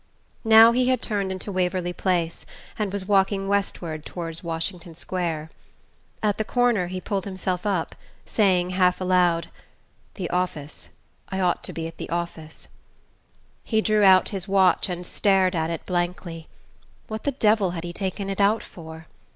Now he had turned into Waverly Place, and was walking westward toward Washington Square. At the corner he pulled himself up, saying half aloud: "The office I ought to be at the office." He drew out his watch and stared at it blankly. What the devil had he taken it out for?